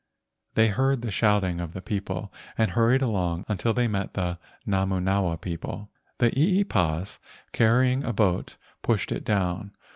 They heard the shouting of other people and hurried along until they met the Namunawa people, the eepas, carrying a boat, pushing it down.